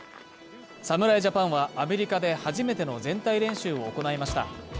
侍ジャパンはアメリカで初めての全体練習を行いました。